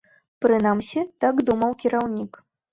Прынамсі, так думаў кіраўнік.